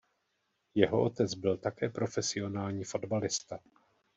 Jeho otec byl také profesionální fotbalista.